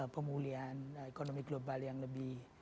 pemulihan ekonomi global yang lebih